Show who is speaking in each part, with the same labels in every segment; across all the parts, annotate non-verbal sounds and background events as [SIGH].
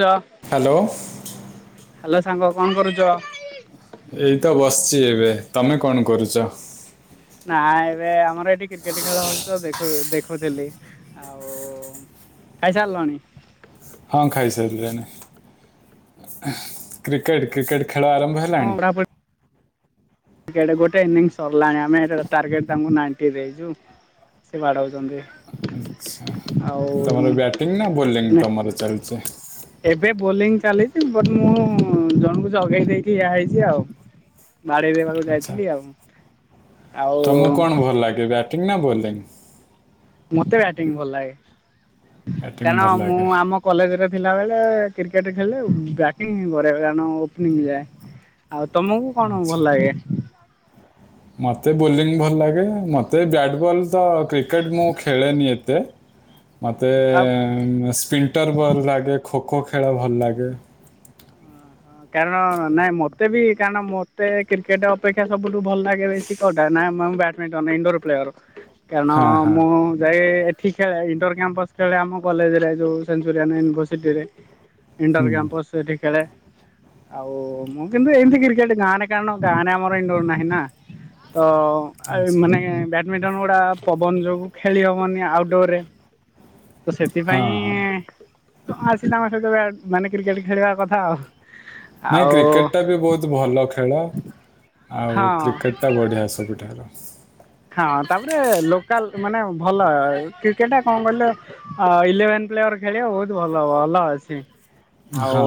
Speaker 1: Hello
Speaker 2: hello
Speaker 1: ସାଙ୍ଗ କଣ କରୁଚ?
Speaker 2: ତୋମେ କଣ କରୁଚ?
Speaker 1: ନା ଏବେ ଆମର ଏଇଠି କ୍ରିକେଟ୍ ଖେଳ ହଉଛି ତ ଦେଖୁ ଦେଖୁଥିଲି। ଆଉ ଖାଇସାରିଲଣି?
Speaker 2: ହଁ ଖାଇସାଇଲିଣି କ୍ରିକେଟ୍ କ୍ରିକେଟ୍ ଖେଳ ଆରମ୍ଭ
Speaker 1: ହଁ
Speaker 2: ହେଲାଣି?
Speaker 1: [INAUDIBLE] ଗୋଟେ ଇନିଙ୍ଗ ସରଲାଣି ଆମେ ଏବେ ଟାର୍ଗେଟ ତାଙ୍କୁ ନାଇନଟି ଦେଇଚୁ ସେ ବାଡଉଚନ୍ତି।
Speaker 2: ସା ତୋମର ବ୍ୟାଟିଙ୍ଗ ନା ବୋଲିଙ୍ଗ ତୋମର ଚାଲଚି?
Speaker 1: ଏବେ ବୋଲିଂ ଚାଲିଚି, ବଟ୍ ମୁଁ ଜଣକୁୁ ଜଗେଇ ଦେଇକି ଇଆ ହେଇଚି ଆଉ? ବାଡ଼େଇବେ ପାଖକୁ
Speaker 2: ଆଚ୍ଛା
Speaker 1: ଯାଇଥିଲି ଆଉ ଆଉ
Speaker 2: ଟିଙ୍ଗ ନା ବୋଲିଙ୍ଗ?
Speaker 1: ମୋତେ ବ୍ୟାଟିଂ ଭଲ ଲାଗେ।
Speaker 2: ବ୍ୟାଟିଂ
Speaker 1: କାରଣ
Speaker 2: ଭଲ
Speaker 1: ମୁଁ
Speaker 2: ଲାଗେ
Speaker 1: ଆମ କଲେଜ୍ ରେ ପିଲା ବେଳେ କ୍ରିକେଟ୍ ଖେଳିଲେ ଉ, ବ୍ୟାଟିଂ କରେ କାରଣ ଓପନିଂ ଯାଏ। ଆଉ ତୋମକୁ କଣ
Speaker 2: ଆଚ୍ଛା
Speaker 1: ଭଲ ଲାଗେ?
Speaker 2: ମୋତେ ବୋଲିଂ ଭଲ ଲାଗେ, ମୋତେ ବ୍ୟାଟ୍ ବଲ୍ ତ କ୍ରିକେଟ୍ ମୁଁ ଖେଳେନି ଏତ ତେ ମୋତେ
Speaker 1: ଆଉ
Speaker 2: ଏ, ସ୍ପିଣ୍ଟର୍ ଭଲ ଲାଗେ ଖୋ ଖୋ ଖେଳ ଭଲ ଲାଗେ।
Speaker 1: ହଁ କାରଣ ନାଇଁ ମୋତେ ବି କାରଣ ମୋତେ କ୍ରିକେଟ୍ ଅପେକ୍ଷା ସବୁଠୁ ଭଲ ଲାଗେ ବେଶୀ କୋଉଟା ନା ମମ ବ୍ୟାଟମିଣ୍ଟନ [UNINTELLIGIBLE] ୱିଣ୍ଡୋ ର ପ୍ୟୟାର୍। କାରଣ
Speaker 2: ହଁ ହଁ
Speaker 1: ମୁଁ ଯାଏ ଠିକ୍ ଖେଳେ ଇଣ୍ଟର କ୍ୟାମ୍ପସ ଖେଳେ ଆମ କଲେଜରେ ଯଉ ସେନ୍ଚୁରିଆନ ଇନଭରସିଟିରେ। ଇଣ୍ଡର କ୍ୟାମ୍ପସ୍ ସେଇଠି ଖେଳେ। ଆଉ ମୁଁ କିନ୍ତୁ ଏମତି କ୍ରିକେଟ ଗାଁରେ କାରଣ ଗାଁରେ ଆମରଇଣ୍ଡୋର ନାହିଁ ନା ତ
Speaker 2: ଆଚ୍ଛା
Speaker 1: ମାନେ ବ୍ୟାଡ଼ମିଟ ଟନ ଗୁଡା ପବନ ଯୋଗୁ ଖେଳି ହବନି ଆଉଟଡୋର ରେ। ତ
Speaker 2: ହଁ
Speaker 1: ସେଥିପାଇଁ
Speaker 2: ହଁ
Speaker 1: ତ ଆସିଲ ଆମ ସହିତ ବ୍ୟାଟ ମାନେ କ୍ରିକେଟ ଖେଳିବା କଥା ଆଉ।
Speaker 2: ନାଇଁ
Speaker 1: ଆଉ
Speaker 2: କ୍ରିକେଟ ଟା ବି ବହୁତ ଭଲ ଖେଳ ଆଉ
Speaker 1: ହଁ
Speaker 2: କ୍ରିକେଟ ଟା ବଢିଆ ସବୁଠାରୁ।
Speaker 1: ହଁ ତାପରେ ଲୋକାଲ ମାନେ ଭଲ କ୍ରିକେଟଟା କଣ କହିଲେ ଇଲେଭେନ୍ ପ୍ଲେୟର ଖେଳିବ ବହୁତ ଭଲ ଭଲ ଅଛି। ଆଉ
Speaker 2: ହଁ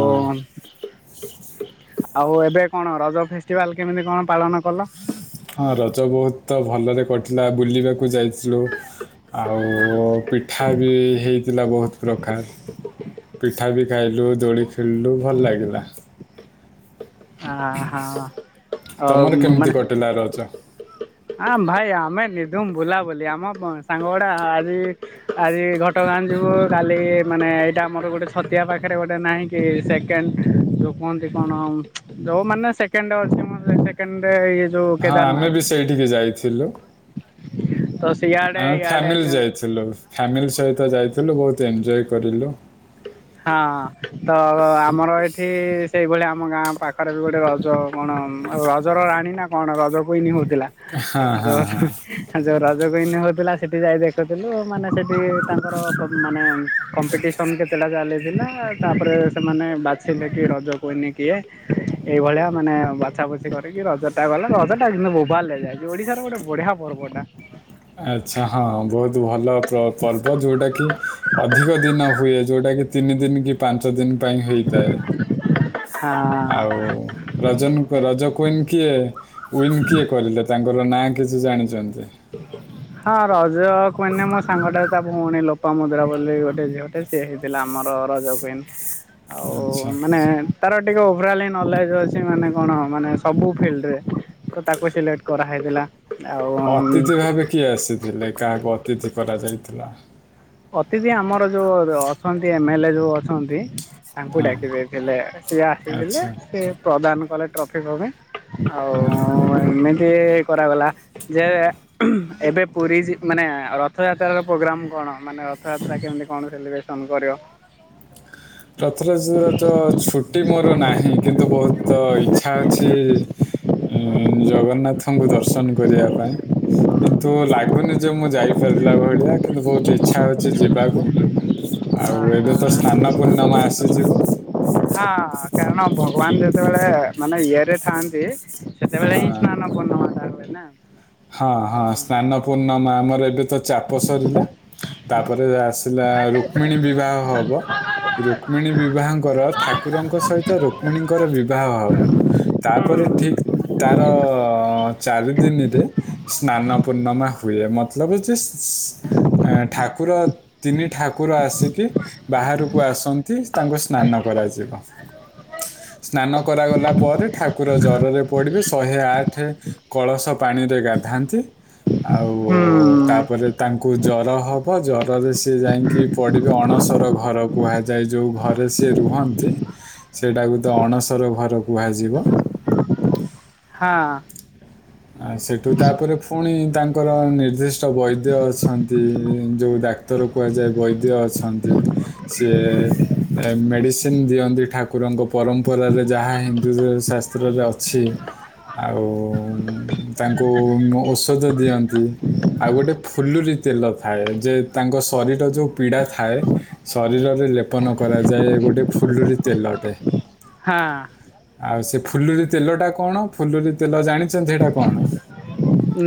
Speaker 1: ଆଉ ଏବେ କଣ ରଜ ଫେଷ୍ଟିଭାଲ କେମିତି କଣ ପାଳନ କଲ?
Speaker 2: ହଁ ରଜ ବହୁତ ତ ଭଲରେ ପଟିଲା ବୁଲିବାକୁ ଯାଇ ଥିଲୁ ଆଉ ପିଠା ବି ହେଇଥିଲା ବହୁତ ପ୍ରକାର। ଠା ବି ଖାଇଲୁ ଦୋଳି ଖେଳିଲୁ ଭଲ ଲାଗିଲା।
Speaker 1: ଆହା ଅ
Speaker 2: ତମର କେମିତି
Speaker 1: ମାନେ
Speaker 2: କଟିଲା ରଜ
Speaker 1: ଆଁମ ଭାଇ ଆମେ ନିଧୁମ୍ ବୁଲାବୁଲି, ଆମ ସାଙ୍ଗ ଗୁଡା ଆଜି ଆଜି ଘଟଗାଁ ଯିବୁ କାଲି ମାନେ ଏଇଟା ଆମର ଗୋଟେ ଛତିଆ ପାଖରେ ଗୋଟେ ନାହିଁ କି ସେକେଣ୍ଡ ଯୋଉ କୁହନ୍ତି, କଣ ଯୋଉ ମାନେ ସେକେଣ୍ଡ ଅଛି ମ ସେକେଣ୍ଡ ଯୋଉ
Speaker 2: ହଁ ଆମେ
Speaker 1: କେଦାରନାଥ
Speaker 2: ବି ସେଇଠିକି ଯାଇଥି ଥିଲୁ।
Speaker 1: ତଶ୍
Speaker 2: ଆମେ ଫ୍ୟାମିଲି ଯାଇଥିଲୁ। ଫ୍ୟାମିଲି ସହିତ ଯାଇଥି ଥିଲୁ ବହୁତ ଏଞ୍ଜୟ କରିଲୁ।
Speaker 1: ହଁ ତ ଆମର ଏଠି ସେଇଭଳିଆ। ଆମ ଗାଁ ପାଖରେ ବି ଗୋଟେ ରଜ କଣ ରଜର ରାଣୀ ନା କଣ ରଜ କୁଇନି ହଉଛି। ଥିଲା
Speaker 2: ହଁ
Speaker 1: ଯଉ
Speaker 2: ହଁ
Speaker 1: [UNINTELLIGIBLE] ହଁ ଯଉ ରଜ ରଜକୁଇନ୍ ହଉଥିଲା, ସେଠି ଯାଇ ଦେଖୁଥିଲୁ ମାନେ ସେଠି ତାଙ୍କର କ ମାନେ କମ୍ପିଟିସନ କେତେଟା ଚାଲିଥିଲା ତାପରେ ସେମାନେ ବାଛିଲେ କି ରଜକୁଇନି କିଏ, ଏଇଭଳିଆ ମାନେ ବାଛା ବୁଛି କରିକି ରଜ ଟା ଗଲା ରଜ ଟା କିନ୍ତୁ ବୋବାଲ ହେଇଯାଇଛି, ଓଡିଶାର ଗୋଟେ ବଢିଆ ପର୍ବଟା।
Speaker 2: ଆଚ୍ଛା ହଁ ବହୁତ୍ ଭଲ ପ୍ରପର୍ବ ଯୋଉଟା କି ଅଧିକ ଦିନ ହୁଏ। ଯଉଟା କି ତିନି ଦିନି କି ପାଞ୍ଚ ଦିନ ପାଇଁ ହୋଇଥାଏ।
Speaker 1: ହଁ
Speaker 2: ଆଉ ରଜନ୍ ରଜ କୁଇନ କିଏ ଉଇନ୍ କିଏ କରିଲେ ତାଙ୍କ ର ନାଁ କିଛି ଜାଣିଛନ୍ତି।
Speaker 1: ହଁ ରଜ କୁଇନ ମୋ ସାଙ୍ଗଟା ତା ଭଉଣୀ ଲୋପା ମୁଦ୍ରା ବୋଲି ଗୋଟେ ଝିଅଟେ, ସିଏ ହେଇଥିଲା ଆମର ରଜ କୁଇନ। ଆଉ
Speaker 2: ଆଚ୍ଛା
Speaker 1: ମାନେ ତାର ଟିକେ ଓଭରାଲ୍ ହିଁ ନଲେଜ ଅଛି, ମାନେ କଣ ମାନେ ସବୁ ଫିଲ୍ଡ ରେ ତ ତାକୁ ସିଲେକ୍ଟ କରାହେଇଥିଲା ଆଉ।
Speaker 2: ଅତିଥି ଭାବେ କିଏ ଆସିଥିଲେ, କାହାକୁ ଅତିଥି କରାଯାଇଥିଲା।
Speaker 1: ଅତିଥି ଆମର ଯୋଉ ଅଛନ୍ତି, ଏମ ଏଲ୍ ଯୋଉ ଅଛନ୍ତି। ତାଙ୍କୁ
Speaker 2: ହଁ
Speaker 1: ଡାକି ଦେଇଥିଲେ, ସିଏ ଆସିଥିଲେ
Speaker 2: ଆଚ୍ଛା
Speaker 1: ସିଏ ପ୍ରଦାନ କଲେ ଟ୍ରଫି ଫପି। ଆଉ
Speaker 2: ହଁ
Speaker 1: ଏମି ସିଏ କରାଗଲା, ଯେ ଏବେ ପୁରୀ ଯି ମାନେ ରଥଯାତ୍ରାର ପ୍ରୋଗ୍ରାମ୍ କଣ। ମାନେ ରଥଯାତ୍ରା କେମିତି କଣ ସେଲିବ୍ରେସନ କରିବ।
Speaker 2: ରଥରେସ୍ ରେତ ଛୁଟି ମୋର ନାହିଁ କିନ୍ତୁ ବହୁତ୍ ତ ଇଚ୍ଛା ଅଛି ଉଁ ଜଗନ୍ନାଥଙ୍କୁ ଦର୍ଶନ କରିବା ପାଇଁ, କିନ୍ତୁ ଲାଗୁନି ଯେ ମୁଁ ଯାଇପାରିଲା ଭଳିଆ କିନ୍ତୁ ବହୁତ ଇଚ୍ଛା ଅଛି ଯିବାକୁ, ଆଉ ଏବେ ତ ସ୍ନାନ ପୂର୍ଣ୍ଣମା ଆସିଯିବ।
Speaker 1: ହଁ କାର ଣ ଭଗବାନ ଯେତେବେଳେ ମାନେ ଇଏ ରେ ଥାଆନ୍ତି। ସେତେବେଳେ ହିଁ
Speaker 2: ହଁ
Speaker 1: ସ୍ନାନ ପୂର୍ଣ୍ଣିମା ଟା ହୁଏ। ନାଁ
Speaker 2: ହଁ ହଁ ସ୍ନାନ ପୂର୍ଣ୍ଣମା ଆମ [INAUDIBLE] ତ ଚାପ ସରିଲା ତାପରେ ଆସିଲା ରୁକ୍ମିଣୀ ବିବାହ ହବ ରୁକ୍ମିଣୀ ବିବାହଙ୍କର ଠାକୁରଙ୍କ ସହିତ ରୁକ୍ମିଣୀଙ୍କର ବିବାହ ହବ ତାପରେ
Speaker 1: ହୁଁ
Speaker 2: ଠିକ ତାର ଚାରି ଦିନରେ ସ୍ନାନ ପୂର୍ଣ୍ଣମା ହୁଏ ମତଲବ ଯେ ଠାକୁର ତିନି ଠାକୁର ଆସିକି ବାହାରକୁ ଆସନ୍ତି ତାଙ୍କୁ ସ୍ନାନ କରାଯିବ ସ୍ନାନ କରାଗଲା ପରେ ଠାକୁର ଜରରେ ପଡିବେ ଶହେ ଆଠ କଳସ ପାଣି ରେ ଗାଧାନ୍ତି
Speaker 1: ହୁଁ
Speaker 2: ଆଉ ତାପରେ ତାଙ୍କୁ ଜର ହେବ ଜରରେ ସିଏ ଯାଇକି ପଡ଼ିବେ ଅଣସର ଘର କୁହାଯାଏ ଯେଉଁ ଘରେ ସିଏ ରୁହନ୍ତି ସେଇଟାକୁ ତ ଅଣସର ଘର କୁହାଯିବ।
Speaker 1: ହଁ
Speaker 2: ଆ ସେଠୁ ତାପରେ ପୁଣି ତାଙ୍କର ନିର୍ଦ୍ଦିଷ୍ଟ ବୈଦ୍ୟ ଅଛନ୍ତି ଯେଉଁ ଡାକ୍ତର କୁହାଯାଏ ବୈଦ୍ୟ ଅଛନ୍ତି ସିଏ ମେଡ଼ିସିନ୍ ଦିଅନ୍ତି ଠାକୁରଙ୍କ ପରମ୍ପରାରେ ଯାହା ହିନ୍ଦୁ ଶାସ୍ତ୍ରରେ ଅଛି ଆଉ ତାଙ୍କୁ ଔଷଧ ଦିଅନ୍ତି ଆଉ ଗୋଟେ ଫୁଲରି ତେଲ ଥାଏ ଯେ ତାଙ୍କ ଶରୀର ଯେଉଁ ପୀଡ଼ା ଥାଏ ଶରୀରରେ ଲେପନ କରାଯାଏ ଗୋଟେ ଫୁଲରି ତେଲଟେ
Speaker 1: ହଁ
Speaker 2: ଫୁଲୁର ତେଲଟା କଣ ଫୁଲୁର ତେଲ ଜାଣିଛନ୍ତି ସେଇଟା କଣ?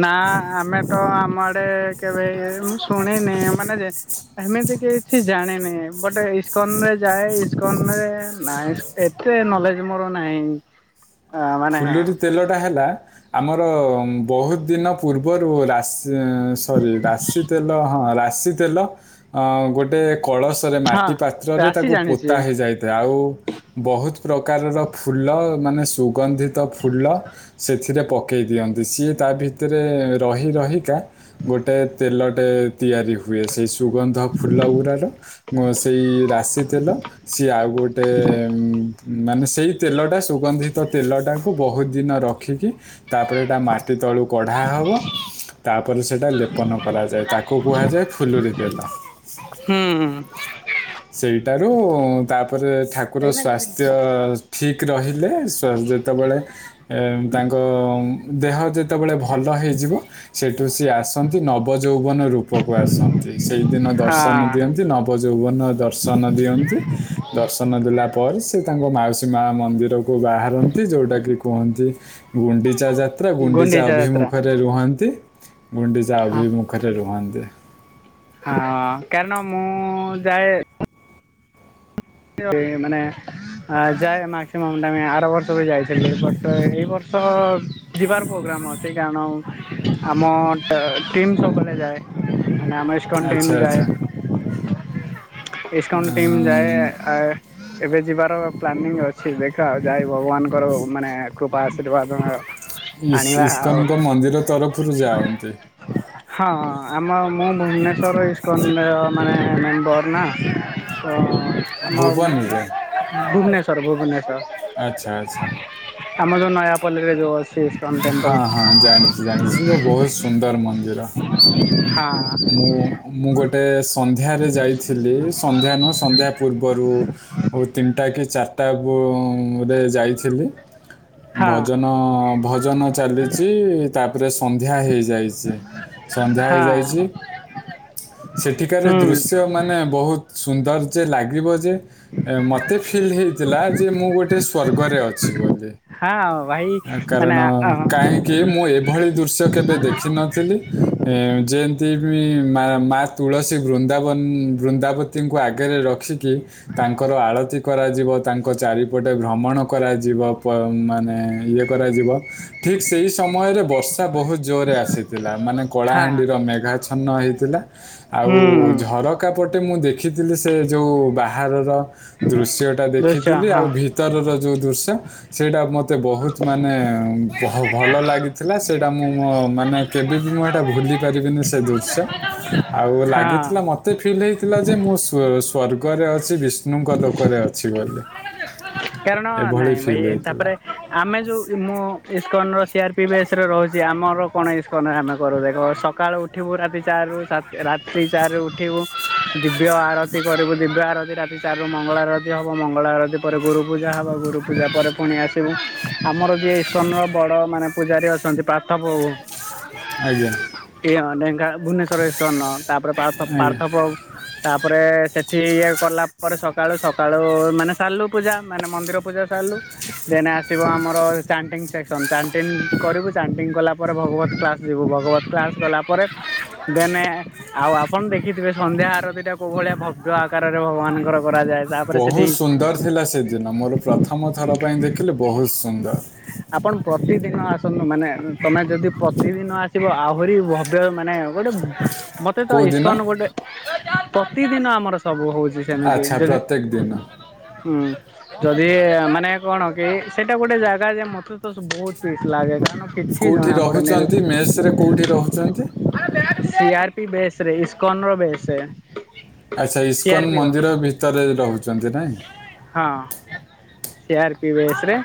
Speaker 1: ନା ଆମେ ତ ଆମର ଟ କେବେ ଶୁଣିନି ମାନେ ଏମିତି କିଛି ଜାଣିନି ବଟ ଇସ୍କନରେ ଯାଏ ଏସ୍କନ ରେ ନାଇଁ ଏତେ ନଲେଜ ମୋର ନାହିଁ ମାନେ
Speaker 2: ଫୁଲୁରି ତେଲଟା ହେଲା ଆମର ବହୁତ ଦିନ ପୂର୍ବରୁ ରାଶି ଉଁ ସରି ରାଶି ତେଲ ହଁ ରା ରାଶି ତେଲ ଗୋଟେ କଳସରେ
Speaker 1: ହଁ
Speaker 2: ମାଟି ପାତ୍ରରେ
Speaker 1: ରାଶି
Speaker 2: ତାକୁ
Speaker 1: ଜାଣିଛି।
Speaker 2: ପୋତା ହେଇଯାଇଥାଏ ଆଉ ବହୁତ ପ୍ରକାରର ଫୁଲ ମାନେ ସୁ ଗନ୍ଧି ତ ଫୁଲ ସେଥିରେ ପ ପକେଇ ଦିଅନ୍ତି ସିଏ ତା ଭିତରେ ରହି ରହି କା ଗୋଟେଏ ତେଲଟେ ତିଆରି ହୁଏ ସେଇ ସୁଗନ୍ଧ ଫୁଲଗଡ଼ାର ସେଇ ରାଶି ତେଲ ସିଏ ଆଉ ଗୋଟେ ଉଁ ମାନେ ସେଇ ତେଲ ଟା ସୁଗନ୍ଧି ତ ତେଲଟାକୁ ବହୁତ ଦିନ ରଖିକି ତାପରେଟା ମାଟି ତଳକୁ କଢା ହବ ତାପରେ ସେଟା ଲେପନ କରାଯାଏ ତାକୁ କୁହାଯାଏ ଫୁଲୁୁରି ତେଲ।
Speaker 1: ହୁଁ
Speaker 2: ସେଇଟାରୁ ତା ତାପରେ ଠାକୁର ସ୍ୱାସ୍ଥ୍ୟ ଠିକ ରହିଲେ ଯେତେବେଳେ ତାଙ୍କ ଦେହ ଯେତେବେଳେ ଭଲ ହେଇଯିବ ସେଠୁ ସି ଆସନ୍ତି ନବ ଯୌବନ ରୂପକୁ ଆସନ୍ତି। ସେଇଦିନ ଦର୍ଶନ
Speaker 1: ହଁ
Speaker 2: ଦିଅନ୍ତି ନବଯୌବନ ଦର୍ଶନ ଦିଅନ୍ତି ଦର୍ଶନ ଦେଲା ପ ପରେ ସେ ତାଙ୍କ ମାଉସୀ ମା ମନ୍ଦିରକୁ ବାହାରନ୍ତି ଯେଉଟାକି କୁହନ୍ତି ଗୁଣ୍ଡିଚା ଯାତ୍ରା ଗୁଣ୍ଡିଚା ଅଭିମୁଖରେ ରୁହନ୍ତି। [INAUDIBLE] ଗୁଣ୍ଡିଚା ଅଭିମୁଖରେ ରୁହନ୍ତି।
Speaker 1: ହଁ କାରଣ ମୁଁ ଯାଏ ମାନେ ଯାଏ ମାକ୍ସିମମ୍ ଟମେ ଆର ବର୍ଷ ବି ଯାଇଥିଲି ବଟ୍ ଏଇ ବର୍ଷ ଯିବାର ପ୍ରୋଗ୍ରାମ୍ ଅଛି କାରଣ ଆମ ଟିମ୍ ସବୁଳେ ଯାଏ ନାମା ଇଜ
Speaker 2: ଆଚ୍ଛା
Speaker 1: କଣ୍ଟେନି ଯାଏ।
Speaker 2: ଆଚ୍ଛା
Speaker 1: ଏକାଉଣ୍ତ ଟିମ ଯାଏ ଏ ଏବେ ଯିବାର ପ୍ଲାନିଂ ଅଛି ଦେଖାଉ ଯାଇ ଭଗବାନଙ୍କର ମାନେ କୃପା
Speaker 2: ଇ
Speaker 1: ଆଶୀର୍ବାଦ
Speaker 2: ଇସ୍କ
Speaker 1: ଆଣିବା ଆଉ
Speaker 2: ଇସ୍କନଙ୍କ ମନ୍ଦିର ତରଫରୁ ଯାଆନ୍ତି।
Speaker 1: ହଁ ଆମ ମୁଁ ଭୁବନେଶ୍ୱର ଇସ୍କୁଲର ମାନେ ମେମ୍ବର ନା ଓ
Speaker 2: ଭୁବନରେ
Speaker 1: [UNINTELLIGIBLE] ସର ଭୁଵୁ ମ୍ୟାଟର
Speaker 2: ଆଚ୍ଛା ଆଚ୍ଛା।
Speaker 1: ଆମମାଜନ୍ ନୟାପଲିରେ ଯଉଁ ଅଛି, ଇସ୍କନ ଟେମ୍ପଲ
Speaker 2: ହଁ ହଁ ଜାଣିଛି ଜାଣିଛି ତ ବହୁତ ସୁନ୍ଦର ମନ୍ଦିର
Speaker 1: ହଁ
Speaker 2: ମୁଁ ମୁଁ ଗୋଟେ ସନ୍ଧ୍ୟାରେ ଯାଇଥିଲି ସନ୍ଧ୍ୟା ନହ ସନ୍ଧ୍ୟା ପୂର୍ବରୁ ତିନିଟା କି ଚାରିଟା କୁ ଗୁରେ ଯାଇଥିଲି
Speaker 1: ହଁ
Speaker 2: ଭଜନ ଭଜନ ଚାଲିଛି, ଉପରେ ସନ୍ଧ୍ୟା ହେଇଯାଇଛି ସନ୍ଧ୍ୟା ହେଇଯାଇଛି,
Speaker 1: ହଁ
Speaker 2: ସେଠିକାରୁ
Speaker 1: ହୁଁ
Speaker 2: ଦୃଶ୍ୟ ମାନେ ବହୁତ ସୁନ୍ଦର ଯେ ଲାଗିବ ଯେ ମତେ ଫିଲ୍ ହେଇଥିଲା ଯେ ମୁଁ ଗୋଟେ ସ୍ଵର୍ଗରେ ଅଛି ବୋଲି
Speaker 1: ହଁ ଭାଇ ମାନେ
Speaker 2: କାରଣ
Speaker 1: ହଁ
Speaker 2: କାହିଁକି ମୁଁ ଏଭଳି ଦୃଶ୍ୟ କେବେ ଦେଖିନଥିଲି ଏ ଯେ ମା ମା ତୁଳସୀ ବୃନ୍ଦାବନ ବୃନ୍ଦାବତୀଙ୍କୁ ଆଗରେ ରଖିକି ତାଙ୍କର ଆଳତି କରାଯିବ ତାଙ୍କ ଚାରିପଟେ ଭ୍ରମଣ କରାଯିବ ମାନେ ଇଏ କରାଯିବ ଠିକ ସେଇ ସମୟରେ ବର୍ଷ ବହୁତ ଜୋରରେ ଆସିଥିଲା ମାନେ
Speaker 1: ହଁ
Speaker 2: କଳାହାଣ୍ଡିର ମେ ପ୍ର୍ଛନ୍ନ ହେଇଥିଲା [INAUDIBLE] ଆଉ
Speaker 1: ହୁଁ
Speaker 2: ଝରକା ପଟେ ମୁଁ ଦେଖି ଦେଖିଥିଲି ସେ ଯେଉଁ ବାହାରର ଦୃଶ୍ୟ ଟା
Speaker 1: ଦୃଶ୍ୟ
Speaker 2: ଦେଖିଥିଲି ଆଉ
Speaker 1: ହଁ
Speaker 2: ଭିତରର ଯୋଉ ଦୃଶ୍ୟ- ସେଇଟା ମତେ ବହୁତ ମାନେ ଭଲ ଲାଗିଥିଲା ସେଇଟା ମୁଁ ମୋ ମାନେ କେବେ ବି ମୁଁ ଏଟା ଭୁଲି ପାରିବିନି- ସେ ଦୃଶ୍ୟ ଆଉ
Speaker 1: ହଁ
Speaker 2: ଲାଗିଥିଲା ମତେ ଫିଲ୍ ହେଇ- ଥିଲା ଯେ ମୁଁ ସ୍ଵର୍ଗରେ ଅଛି ବିଷ୍ଣୁଙ୍କ ଲୋକରେ ଅଛି ବୋଲି-
Speaker 1: କାରଣ
Speaker 2: ଏଭଳି
Speaker 1: ନାଇଁ ଭାଇ
Speaker 2: ଫିଲ୍ ହେଇଥିଲା
Speaker 1: ତାପରେ ଆମେ ଯୋଉ ମୁଁ- ଇସ୍କନର ସିଆର୍ ପି ବିଏସ୍ରେ ରହୁଛି ଆମର କଣ ଇସ୍କନ ଆମେ କରୁ ଦେଖ ସକାଳୁ ଉଠିବୁ ରାତି ଚାରିରୁ ରାତି ଚାରିରୁ ଉଠିବୁ ଦିବ୍ୟ ଆରତି କରିବୁ ଦିବ୍ୟ ଆରତି ରାତି ଚାରିରୁ ମଙ୍ଗଳା ଆରତୀ ହେବ ମଙ୍ଗଳା ଆରତୀ ପରେ ଗୁରୁ- ପୂଜା ହେବ ଗୁରୁ ପୂଜା ପରେ ପୁଣି ଆସିବୁ ଆମର ଯିଏ ଇସ୍କନର ବଡ଼ ମାନେ ପୂଜାରୀ ଅଛନ୍ତି ପାର୍ଥପବୁ-
Speaker 2: ଆଜ୍ଞା-
Speaker 1: ଏ ଭୁନେଶ୍ୱରରେ ଇସ୍କନ- ତାପରେ ପାର୍ଥ
Speaker 2: ଆଜ୍ଞା
Speaker 1: ପାର୍ଥପ ତା- ତାପରେ ସେଠି ଇଏ କଲା ପରେ ସକାଳୁ ସକାଳୁ ମାନେ ସାରିଲୁ ପୂଜା- ମାନେ ମନ୍ଦିର ପୂଜା ସାରିଲୁ ଦେନ୍ ଆସିବ ଆମର ଚାଣ୍ଟିଙ୍ଗ ସେକ୍ସନ୍ ଚାଣ୍ଟିଙ୍ଗ କରିବୁ ଚାଣ୍ଟିଙ୍ଗ କଲାପରେ ଭଗବତ କ୍ଲାସ୍ ଯିବୁ ଭଗବତ କ୍ଲାସ୍ କଲା ପରେରେ ଦେନ ଆଉ ଆପଣ ଦେଖିଥିବେ ସନ୍ଧ୍ୟା ଆର ଦିଟା କେଉଁ ଭଳିଆ ଭବ୍ୟ ଆକାରରେ ଭଗବାନଙ୍କର- କରାଯାଏ ତାପରେ
Speaker 2: ବହୁତ
Speaker 1: ସେଠି
Speaker 2: ସୁନ୍ଦର ଥିଲା ସେ- ମୋର ପ୍ରଥମ ଥର ପାଇଁ ଦେଖିଲେ ବହୁତ ବହୁତ ସୁନ୍ଦର-
Speaker 1: ଆପଣ ପ୍ରତିଦିନ ଆସନ୍ତୁ ମାନେ ତମେ ଯଦି ପ୍ରତିଦିନ ଆସିବ ଆହୁରି ଭବ୍ୟ ମାନେ ଗୋଟେ- ମୋତେ ତ
Speaker 2: କୋଉ ଦିନ
Speaker 1: ଇସ୍କନ୍ ଗୋଟେ- ପ୍ରତିଦିନ ଆମର ସବୁ ହଉଛି- ସେମିତି
Speaker 2: ଆଚ୍ଛା
Speaker 1: ଯଦି
Speaker 2: ପ୍ରତ୍ୟେକ ଦିନ।
Speaker 1: ହୁଁ ଯଦି ମାନେ କଣ କି ସେଇଟା ଗୋଟେ ଜା ମତେ ତ ବହୁତ ପିସ୍ ଲାଗେ କାରଣ କିଛି
Speaker 2: କୋଉଠି
Speaker 1: ଜଣା ପଡେନି
Speaker 2: ରହୁଛନ୍ତି, ମେସ ରେ କୋଉଠି ରହୁଛନ୍ତି
Speaker 1: ସିଆର ପି ବେଶ ରେ ଇସ୍କନର ବେଶ ରେ
Speaker 2: ଆଚ୍ଛା ଇସ୍କନ ମନ୍ଦିର ଭିତରେ ରହୁଛନ୍ତି ନାଇଁ।
Speaker 1: ସିଆରପି ବେସ୍ ରେ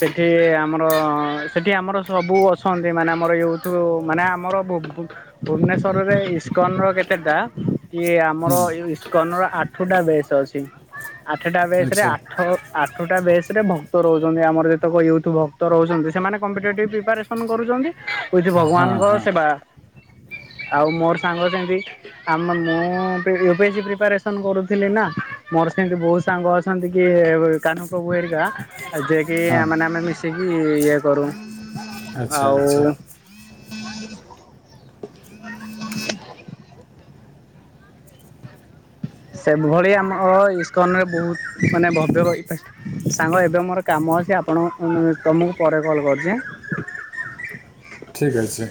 Speaker 1: ସେଠି ଆମର ସେଠି ଆମର ସବୁ ଅଛନ୍ତି ମାନେ ଆମର ମାନେ ଆମର ୟୁଟୁ ମାନେ ଆମର ବୁକ୍ ବୁକ୍ ଭୁବନେଶ୍ୱରରେ ଇସ୍କନ ର କେତେଟା କିଏ ଆମର ଏ ଯୋଉ ଇସ୍କନ ର ଆଠୁ ଟା ବେସ୍ ଅଛି। ଆଠଟା ବେସ୍ ରେ
Speaker 2: ଆଚ୍ଛା
Speaker 1: ଆଠ ଆଠୁଟା ବେସ୍ ସେଟା ଭକ୍ତ ରହୁଛନ୍ତି ଆମର ଯେତେକ ୟୁଟ୍ୟୁବ୍ ଭକ୍ତ ରହୁଛନ୍ତି ସେମାନେ କମ୍ପିଟେଟିଭ୍ ପ୍ରିପାରେସନ୍ କରୁଛନ୍ତି। ହୋଉଛି
Speaker 2: ହଁ
Speaker 1: ଭଗବାନଙ୍କ
Speaker 2: ହଁ
Speaker 1: ସେବା। ଆଉ ମୋର ସାଙ୍ଗ ସେମିତି ଆମ ମୁଁ ୟୁପିଏସି ପ୍ରିପାରେସନ୍ କରୁଥିଲି ନା। ମୋର ସେମିତି ବହୁତ ସାଙ୍ଗ ଅଛନ୍ତି କି କାହ୍ନୁ ପ୍ର୍ରଭୁ ହେରିକା ଆଉ ଯିଏକି
Speaker 2: ହଁ
Speaker 1: ଆମାନେ ଆମେ ମିଶିକି ଇଏ କରୁ
Speaker 2: ଆଚ୍ଛା
Speaker 1: ଆଉ।
Speaker 2: ଆଚ୍ଛା
Speaker 1: [UNINTELLIGIBLE] [INAUDIBLE] ସେଭଳି ଆମ ଇସ୍କନରେ ବହୁତ ମାନେ ଭବ୍ୟ ସାଙ୍ଗ ଏବେ ମୋର କାମ ଅଛି ଆପଣ କୁ ତମକୁ ପରେ କଲ୍ କରୁଚି ଆଁ।
Speaker 2: ଠିକ ଅଛି।